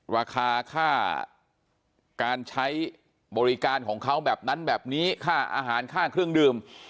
ราคาค่าการใช้บริการของเขาแบบนั้นแบบนี้ค่าอาหารค่าเครื่องดื่ม